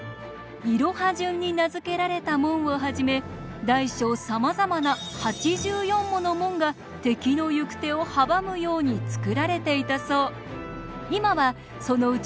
いろは順に名付けられた門をはじめ大小さまざまな８４もの門が敵の行く手を阻むようにつくられていたそう。